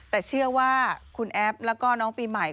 แต่เชื่อว่าคุณแอฟแล้วก็น้องปีใหม่